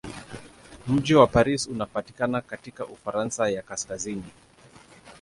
Mji wa Paris unapatikana katika Ufaransa ya kaskazini.